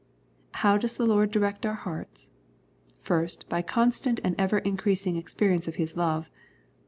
How does our Lord direct our hearts ? First, by constant and ever increasing ex perience of His love.